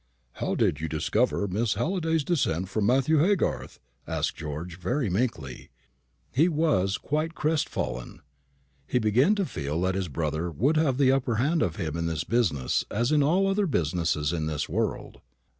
"How did you discover Miss Halliday's descent from Matthew Haygarth?" asked George, very meekly. He was quite crestfallen. He began to feel that his brother would have the upper hand of him in this business as in all other business of this world.